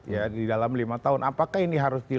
ya di dalam lima tahun apakah ini harus dilakukan